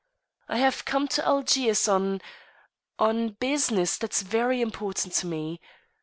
"I have come to Algiers on on business that's very important to me.